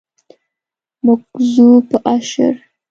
موږ ځو په اشر.